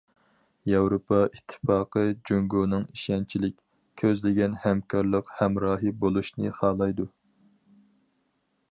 ياۋروپا ئىتتىپاقى جۇڭگونىڭ ئىشەنچلىك، كۆزلىگەن ھەمكارلىق ھەمراھى بولۇشنى خالايدۇ.